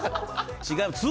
違う。